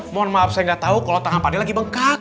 mohon maaf saya nggak tahu kalau tangan padi lagi bengkak